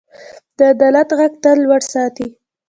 د عدالت غږ تل لوړ ساتئ.